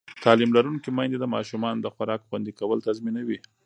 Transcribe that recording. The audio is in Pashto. تعلیم لرونکې میندې د ماشومانو د خوراک خوندي کول تضمینوي.